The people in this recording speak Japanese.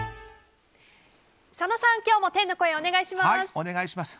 佐野さん、今日も天の声お願いします。